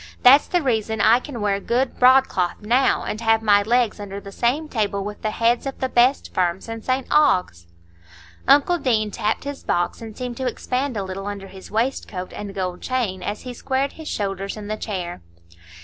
That's the reason I can wear good broadcloth now, and have my legs under the same table with the heads of the best firms in St Ogg's." Uncle Deane tapped his box, and seemed to expand a little under his waistcoat and gold chain, as he squared his shoulders in the chair.